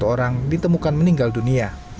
empat puluh satu orang ditemukan meninggal dunia